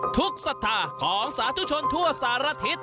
ทุกศรษฐาของสาธุชนทั่วสารทิศ